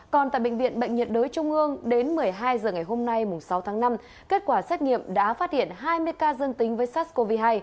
còn tại bệnh viện bệnh nhiệt đới trung ương đến một mươi hai h ngày hôm nay sáu tháng năm kết quả xét nghiệm đã phát hiện hai mươi ca dương tính với sars cov hai